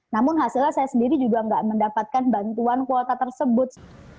namun hasilnya saya sendiri juga nggak mendapatkan bantuan kuota tersebut